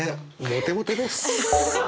モテモテです。